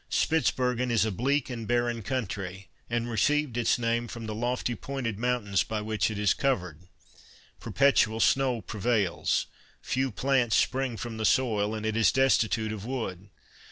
Spitzbergen is a bleak and barren country, and received its name from the lofty pointed mountains by which it is covered; perpetual snow prevails, few plants spring from the soil, and it is destitute of wood.